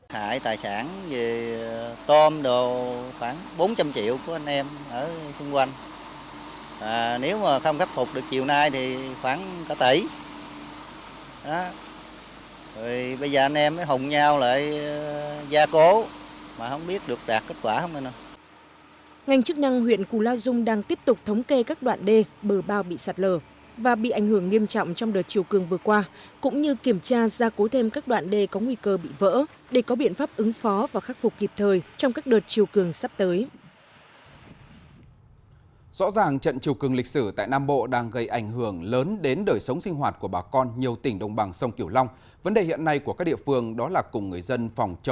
hại tài sản về tôm đồ khoảng bốn trăm linh triệu của anh em ở xung quanh nếu mà không khắc phục được chiều nay thì khoảng có tỷ